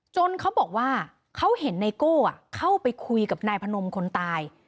เขาบอกว่าเขาเห็นไนโก้เข้าไปคุยกับนายพนมคนตาย